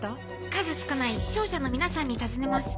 数少ない勝者の皆さんに尋ねます。